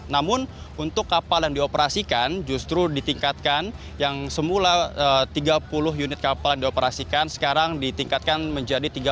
namun untuk kapal yang dioperasikan justru ditingkatkan yang semula tiga puluh unit kapal dioperasikan